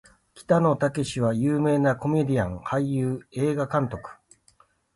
北野武は有名なコメディアン・俳優・映画監督